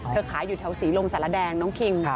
ขายอยู่แถวศรีลมสารแดงน้องคิง